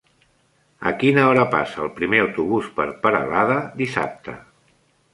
A quina hora passa el primer autobús per Peralada dissabte?